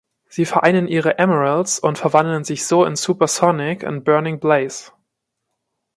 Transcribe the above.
Sie vereinen ihre Emeralds und verwandeln sich so zu Super Sonic und Burning Blaze.